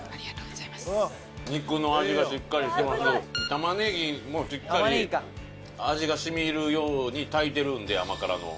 玉ねぎもしっかり味が染みるように炊いてるんで甘辛の。